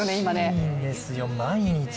難しいんですよ、毎日。